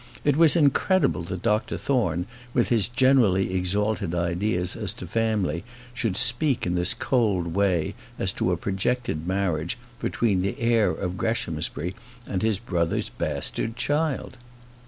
It was incredible that Dr Thorne, with his generally exalted ideas as to family, should speak in this cold way as to a projected marriage between the heir of Greshamsbury and his brother's bastard child!